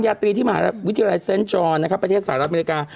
พระปรีศที่มาฤบครับวิทยาลัยเส้นท์จอร์ประเทศสหรัฐอเมริกา